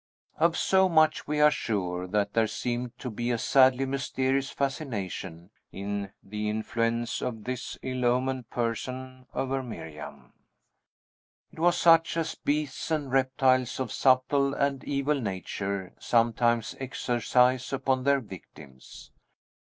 Of so much we are sure, that there seemed to be a sadly mysterious fascination in the influence of this ill omened person over Miriam; it was such as beasts and reptiles of subtle and evil nature sometimes exercise upon their victims.